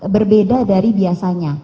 berbeda dari biasanya